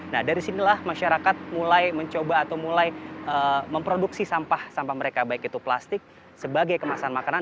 nah dari sinilah masyarakat mulai mencoba atau mulai memproduksi sampah sampah mereka baik itu plastik sebagai kemasan makanan